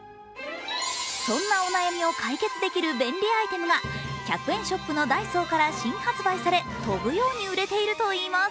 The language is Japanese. そんなお悩みを解決できる便利アイテムが１００円ショップのダイソーから新発売され飛ぶように売れているといいます。